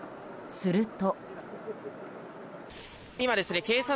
すると。